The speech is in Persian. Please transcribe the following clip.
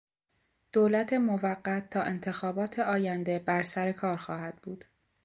دولت موقت تا انتخابات آینده بر سرکار خواهد بود.